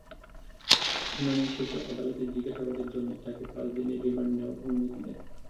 শুনানি শেষে আদালত জিজ্ঞাসাবাদের জন্য তাঁকে পাঁচ দিনের রিমান্ডে নেওয়ার অনুমতি দেন।